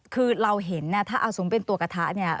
คือเราเห็นถ้าเอาสมมุติเป็นตัวกระทะเนี่ย